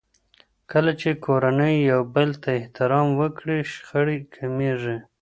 کله چې کورنۍ يو بل ته احترام وکړي، شخړې کمېږي.